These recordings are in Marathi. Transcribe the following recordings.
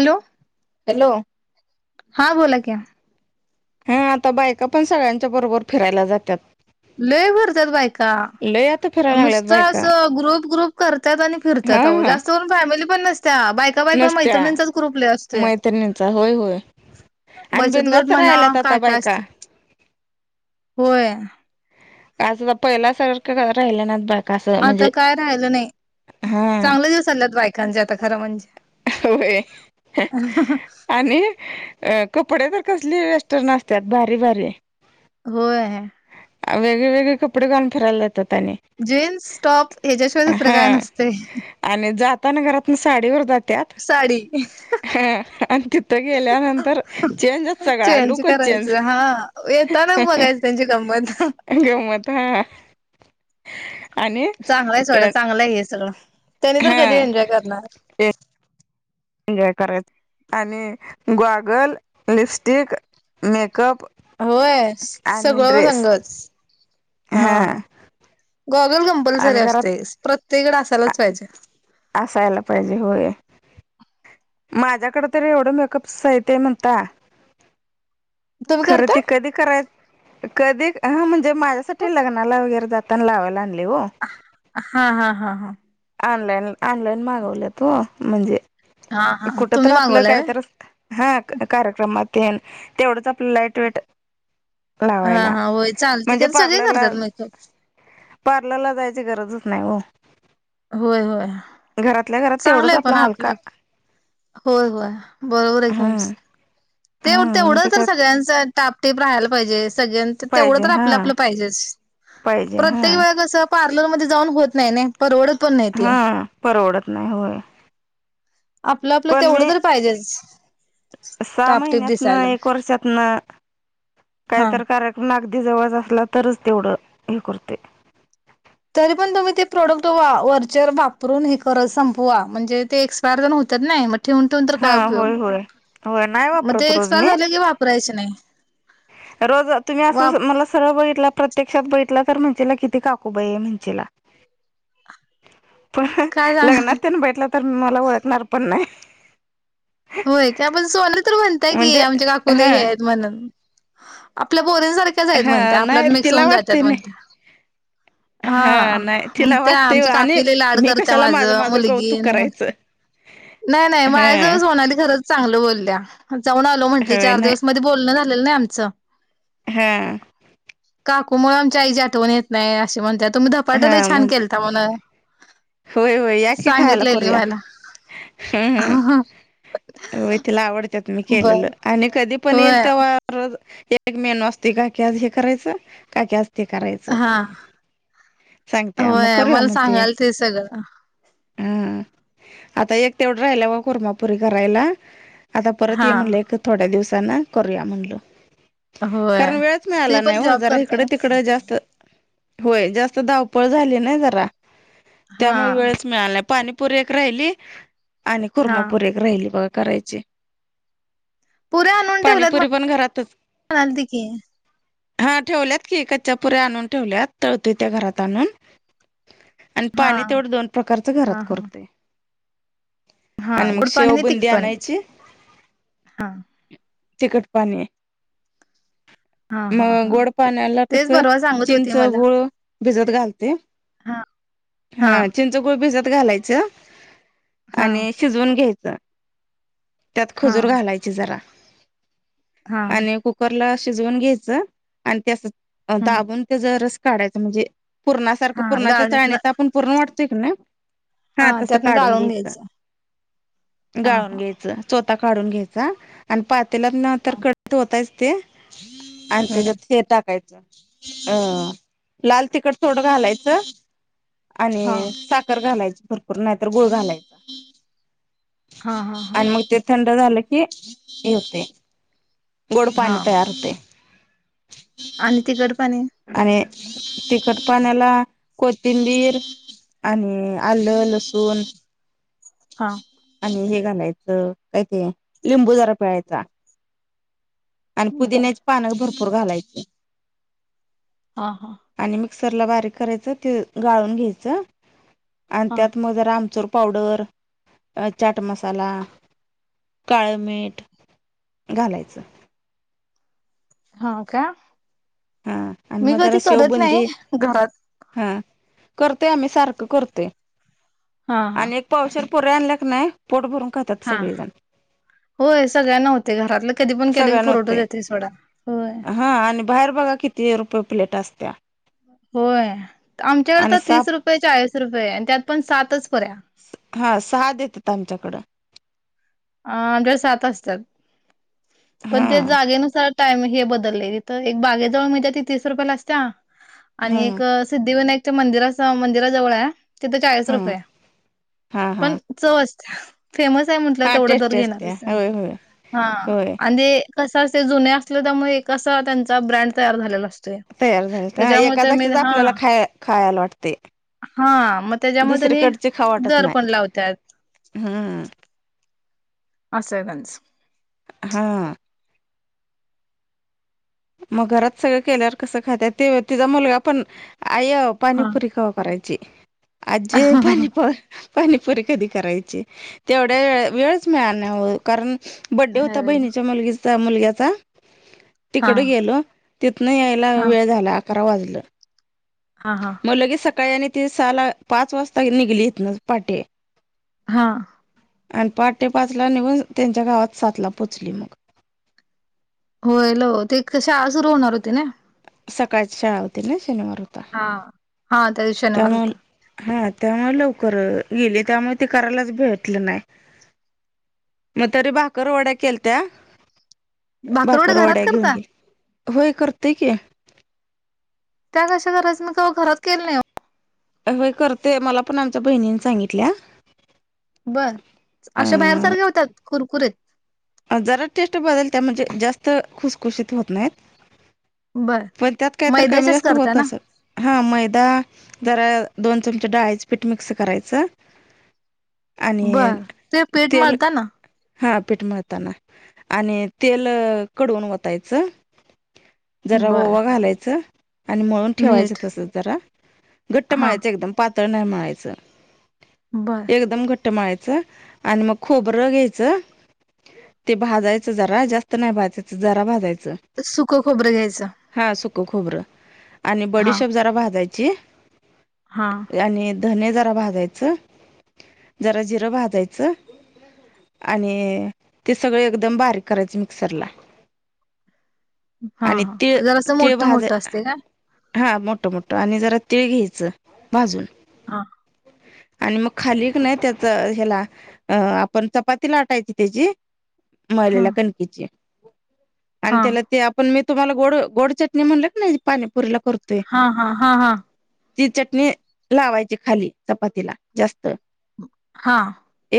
हॅलो हॅलो हां बोला की हां आता बायका पण सगळ्यांच्या बरोबर फिरायला जात्यात. लय भरतात बायका, लय आता फिरायला लागल्यात नुसतं बायका असं ग्रुप- ग्रुप करत्यात आणि फिरत्यात अहो, हा जास्त करून फॅमिली पण नसत त्या बायका- बायका नसत्या मैत्रिंचाच ग्रुप लय असतोय. मैत्रिणींचा होय होय आणि बचतगट बिंदास्त म्हणा राहिल्यात आता काय काय बायका असत होय. काजंवा पहिलया सारखं राहिले ना बात आता काय राहिलं नाही हा चांगले दिवस चालल्यात बायकांचे आता खरं म्हणजे. होय आणि अ कपडे तर कसली वेस्टर्न असत्यात भारी भारी. होय. वेगळेवेगळे कपडे घालून फिरायलात त तेनी जीन्स टॉप ह्याच्याशिवाय दुसरं हा काय नसतंय आणि जातना घरात नुस साडीवर जात त्यात साडी हा तिथ गेल्यानंतर चेंजच सगळा चेंज लुकच ह करायचं हा येताना बघायचं त्यांची गंमत गंमत हा. आणि चांगल आहे, सोडा चांगल आहे हे सगळं, त्यानी तर हा कधी एन्जॉय करणार. एन्जॉय करायच, आणि गॉगल, लिपस्टिक, मेक- होय, सगळं ड्रेस संगच हा हं.. गॉगल कंपल्सरी आणि घरात असतोयच, प्रत्येककाडे असायलाच पाहिजे. असायला पाहिजे होय. माझ्याकडे तरी एवढं मेकअप साहित्ये म्हणता. तुम्ही खरं ते करताय? कधी कराय-, कधी हं म्हणजे माझ्यासाठी लग्नाला वगैरे जात तण लावाय आणलय. हां -हां -हां- हां ऑनलाईन.. ऑनलाईन मागवलंत हो, म्हणजे हा हा कुठं तर तुम्ही आपलं मागवलाय व्हय? कायतर हा कार्यक्रमात तेन, तेवढंच आपलं लाईट वेट हा लावायला, हा होय चालते म्हणजे की सगळे पार्लरला करतात मेकअप पार्लरला जायची गरजच नाही हो. होय -होय, घरातल्या घरात तेवढंच चांगलय पण आपला हलका आपलं- होय- होय बरोबर आहे तुमचं, हम्म ते हम्म म्हणजे तेवढंतर काय सगळ्यांच टापटीप राहायला पाहिजेस. सगळ्या -तेवढं पाहिजे तर हा आपलं-आपलं पाहिजेस, पाहिजे हा प्रत्येकवेळा कसं पार्थ- लोग मध्ये जाऊन होत नाही नय परवरत हां परवडत नाही होय. आपलं-आपलं पण तेवढं मी तर पाहिजेच, सहा टापटीप महिन्यात नं, दिसायला एक वर्षात नं, हा. काहीतर कार्यक्रम अगदी जवळ असला, तरच तेवढं हे करतोय. तरी पण तुम्ही ते प्रॉडक्ट वा- वरचेवर वापरून हे करत संपवा. म्हणजे ते एक्सपायर न- तर नाहीये म ठेवून- ठेवून तर हा काय उपयोग, होय होय होय नाही मग वापरत ते रोज एक्सपायर मी झाले की वापरायचे नाही. रोज- तुम्ही वाप अससं- मला सरळ बघि प्रत्यक्षात बघितला तर म्हणशीला, किती काकूबाई आहे म्हणचीला पण काय सांग लग्नात त्यांन बघितलं, तर मला ओळखणार पण नाही. [inaudible] होय त्या पण सोनलं तर म्हणतयं. की म्हणजे आमच्या काकूलय हा हे आहेत- म्हणून आपल पोरीनं सारख्याच हायत हा म्हणत्या, नाही आपल्यात मिक्स तिला होऊन वाटते जात्यात नाही म्हणत्या. [unintelligible] हा नाही तिला म्हणत्या वाटते आमची आणि काकीले लाड मी करत्या कशाला माझं माझं मुलगी कौतुक नाही करायचं. नाही नाही हा माझजवळ सोनाली खरंच चांगलं बोलल्या जाऊन आलो म्हंटली होय चार नाही दिवस मध्ये बोलण झा लेल नाही आमचं. हा. काकू मुळ आमच्या आईच्या आठवण येत नाही असे म्हणत तुम्ही धपाटलई हा छान म्हणते केलता म्हण होय होय या की खायला सांगितलेली करूया. मला [unintelligible] हो तिला आवडत त मी बर केलेलं आणि कधी पण येईल होय तवा एक मेनू असते काकी आज हे करायचं काकी आज ते करायचं हा सांगत्या मग करूया मग ते हा. हा आता एक तेवढं राहिला ग कुरमापुरी करायला आता परत हा ये म्हणलं एक थोड्या दिवस त्यां नाही कोरया म्हणल. होय कारण वेळच ती मिळाला नाही पण हो जॉब जरा करत्या इकडे ना तिकडे जास्त होय जास्त धावपळ झाली नाही जरा हा त्यामुळे वेळच मिळाला नाही पाणी पुरेक राहिली आणि हा खुर्मापुरेक राहिली बघ करायची. पुऱ्या आणून ठेवल्यात पाणीपुरी पण घरातच. म्हणालती की हा ठेवल्यात की कच्च्यापुऱ्या आणून ठेवल्यात तळतोय त्या घरात आणून. आणि हा पाणी तेवढं दोन प्रकारच हा घरात हा करतोय. हा आणि मग गोड पाणी शेव आणि बुंदी तिखट पाणी आणयची, हा तिखट पाणी हा हा मग हा गोड पाण्याला कस तेच परवा सांगत होती चिंच, मला गुळ भिजत घालते. हा. हा चिंचगुळ भिजत घालायच हा आणि शिजवून घ्यायचं. त्यात हा खजूर घालायची जरा. हा आणि कुकर ला शिजवून घ्यायच आणि हा दाबून त्याचा रस काढायच म्हणजे पूर्णासारखं हा पूर्णाच्या गाळणीतन चाळनीत आपण वाटते का नाही हा तस काढून घ्यायचं, हा गाळून हा घ्यायचं. चोता काढून घ्यायचा आणि पातेल्यात ना कडक ओतायचं ते. आणि हम्म. त्याच्यात हे टाकायच. अ लाल तिखट थोडं घालायचं. हा आणि साखर घालायच भरपूर नाहीतर गुळ घालायचा. हा हा हा. घट्ट झालं की गोड हा पाणी तयाार होतय. आणि ते तिखट पाणी आणि तिखट पाण्याला कोथिंबीर आणि आलं, लसुन हा आणि हे घालायचं काय ते लिंबू जरा पिळायचा. आणि बर पुदिन्याची पान भरपूर घालायची. हा हा आणि मिक्सरला बारीक करायचं ते गाळून घ्यायचं. आणि हा त्यात म आमचूर पावडर, चाट मसाला, काळ मीठ घालायचं. हा का. हा आणि मी मग जरा कधी करत नाही शेवबुंदी घरात करते आम्ही सारखं करतोय हा हा आणि एक पावशेर पुऱ्या आणल्या की नाही पोट भरून खातात हा सगळेजण. होय सगळ्यांना होते घरातलं कधी पण केले की सगळ्यांना पुरवठा होतंय येतोय सोडा होय. हा आणि बाहेर बघा किती रुपये प्लेट असत्या? होय आमच्याकड आणि तर साप तीस रुपये चाळीस रुपये आहे. त्यात पण सातच पर्या हा सहा देतात आमच्याकडं. अ आमच्या सात असतात, पण त्या हां जागेनुसार टाइम हे बदललेली तर एक बागेजवळ मिळत्या ती तीस रुपयाला असत्या. आणि हां एक सिद्धिविनायकच्या मंदिरा मंदिराजवळ आहे तिथ चाळीस हां रुपये हां पण हां चव फेमस आहे. हां तेवढा दर टेस्टी असत्या घेणारच त्यांनी. होय होय हा होय आणि कस ते जुने असतील त्यामुळे एक असा त्यांचा ब्रँड तयार झालेला असतो. तयार झालेला ना एका जागीचेच आपल्याला खा खायला वाटते. हा मग त्याच्यामध्ये त्यांनी दुसरीकडची खाऊ वाटत दर पण नाही लावत्यात. हम्म. असं आहे त्यांचं. हा मग घरात सगळं केल्यावर कसं खात्यात ते तिचा मुलगा पण आय हा. पाणीपुरी कवा करायची. आजे पाणीपु पाणीपुरी कधी करायची. तेवढ्या वेळच मिळाला नाही ओ कारण बड्डे होता ह्यावेळेला बहिणीच्या मुलगीचा मुलग्याचा हा तिकडं गेलो तिथनं यायला हा वेळ झाला अकरा वाजलं. हा हा मग लगे सकाळी आणि ती सहाला पाच वाजता निघली इथूनच पहाटे. हा आणि पाठ तेे पाचला निघून त्यांच्या गावात सातला पोचली मग होय ल ते शाळा सुरू होणार होती ना सकाळ शळा होवती ना शनिवार होता हा हा तरी शनिवार त्यामुळे होता हा त्यामुळे लवकर गेले त्यामुळे ते करायलाच भेटलं नाही मग तरी बाकरर वड्या केलत्या भाकरवड्या घरात भाकरवाड्या घेऊन करता? गे होय करतेय की त्या कशा कराच मी का घरात केलं नाही य करतेय मला पण आमच्या बहिणीने सांगितल्या बर अशा बाहेर सारख्या अ होतात कुरकुरीत जरा टेस्ट बदल त्या म्हणजे जास्त खुसखुशीत होत नाहीत बर. पण त्यात काहीत कमी मैद्याच्याच जास्त करता होत ना अस हा मैदा जरा दोन चमचे डाळच पीठ मिक्स करायचं आणि बर ते पीठ तेल मळता ना हा पीठ मिळताना आणि तेल कडवून वतायचं जरा बर ओवा घालायचं आणि मळून ठेवायचं मीठ तस जरा घट्ट हा माळायचं एकदम पातळ नाही म्हळायचं बर एकदम घट्ट कट्टमाळाचं आणि मग खोबरं घ्यायचं ते भाजायचं जरा जास्त नाही भाजायचं जरा भाजायचं सुख खोबरं घ्यायचं खोबर आणि हा बडीशप जरा भाजायची हा आणि धने जरा भाजायचं जरा जिरं भाजायचं आणि ते सगळं एकदम बारीक करायचं मिक्सरला हा आणि हा तीळ जरा असं तीळ मोठं भाज मोठं असते का हा मोठं मोठं आणि जरा तीळ घ्यायचं भाजून हा आणि मग खाली क नाही त्याच ह्याला अ आपण चपाती लाटायची त्याची हा मलेला कणकीीची आणि हा त्याला ते आपण मी तुम्हाला गोड गोड चटणी म्हणले क ना पाणीपुरीला करतोय हा हा हा हा ती चटणी लावायची खाली चपातीला जास्त हा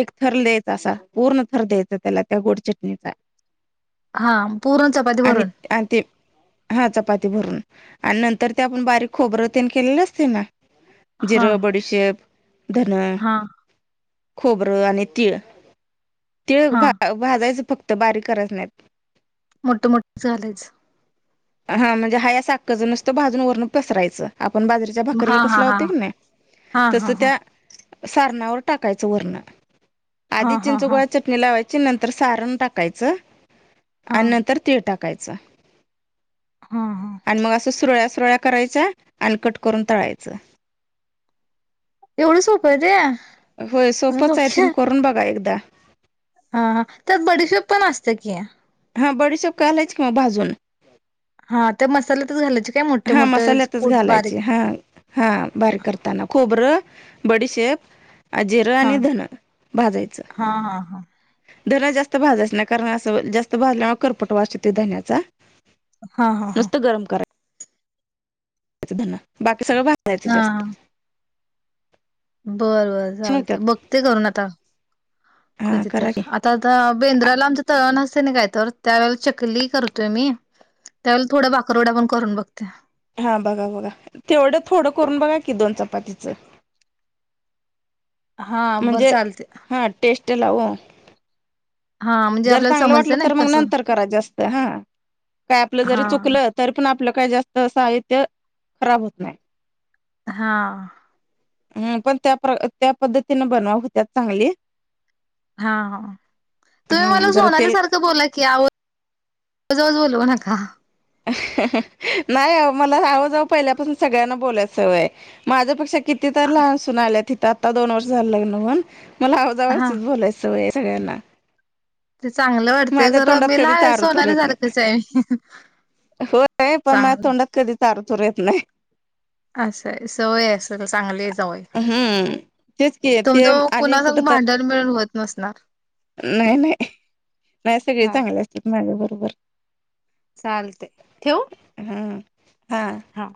एक थर द्यायचा असा पूर्ण थर द्यायचा त्याला त्या गोड चटणीचा हा पूर्ण चपाती आणि भरून ते हा चपाती भरून आणि नंतर ते आपण बारीक खोबर तेन केलेले असते ना हा जिराे बडीसेेप धनं हा खोबरं आणि तिळ तिळ हा भाजायचं फक्त तर बारीकच नाहीत मोठ मोठे झाचालेज हा म्हणजे हा या साखज नसतं भाजून रण पसरायचं आपण बाजारीेच्या भाकरीला हा हा कसला हा होता की नाही हा तस हा हा त्या सारणावर टाकायच आधी हा हा हा हा चिंचगोळा चटणी लावायची नंतर सारण टाकायचं हा आणि नंतर तीळ टाकायच हा आणि मग असं सुरळ सोळ करायच्या अलकट करून तळायचं एवढं सोपं आहे ते होय सोपंच आहे तुम्ही हा करून बघा एकदा हा त्यात बडीफेप पण असते की हा बडी सोब कालेच की म बाजून हा त्या मसाल्यातच घालायचे काय मोठे हा मोठे मसाल्यातच कुट घालायचे बारीक हा हा बारी कर ताना खोबरं बडीशेप, जिरं हा आणि धन भाजायचं. हा हा हा धन जास्त भाजायचा नाही, कारण असं जास्त भाजल्यामुळे करपट वास येतोय धण्याचा हा. हा. हा. च धन बाकी सगळं भाजायचं जास्त बरं बरं छान चालते. होतात बघते करून आता हा कधी तर. करा की आता, आता बेंद्राला आमच तळण असं नाही काय तर, त्यावेळेला चकली करतोय मी. त्यावेळेला थोडा बाकरवडा पण करून बघते हा बघा, बघा. तेवढं थोडं करून बघा की दोन चपातीचं हा. बरं चालते. ला हो. हा म्हणजे जर आपल्याला चांगलं वाटलं समजतं ना तर मग कसं नंतर करा जास्त. हा. काय आपलं जरी हा चुकलं, तरी पण आपलं काही जास्त साहित्य खराब होत नाही. हा. हम् पण त्या त्या पद्धतीने बनवा हुत्यात चांगली हा. हा. तुम्ही मला हम्म जरा सोनाली तेल सारखं बोला की आ लो नका नाही. मला आव मला आओ जाओ पहिल्यापासून सगळ्यांना बोलायचंय सवय आहे. माझ्यापेक्षा किती तर लहानासून आल्या तिथं आता, दोन वर्ष झालं लग्न हून. मला अव जाव हा बोलायचं सवय आहे. सगळ्यांना ते चांगलं वाटतेंय, माझ्या खरं तोंडात मी ला कधीच आरूतूर सोनाला येत नाही सारखिच आहे मी होय. पण माझ्या चांगलं तोंडात कधी तारतुरू येत नाही. असं आहे. सवय असल चांगली जाऊय. हम्म तेच की तुमच ते ओ आणि कुठ कुणासंग तर भांड डन मिळून होत नसणार नाही. नाही. नाही. सगळे चाल चांगले असत्यात माझ्या बरोबर चालते ठेऊ? हां हा.